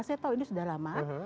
saya tahu ini sudah lama